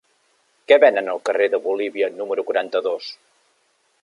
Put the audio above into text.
Què venen al carrer de Bolívia número quaranta-dos?